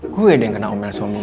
gue yang kena omel suami lo